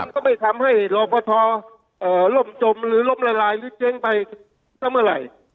ก็ไม่ทำให้รอปทล่มจมหรือล่มละลายหรือเจ๊งไปสักเมื่อไหร่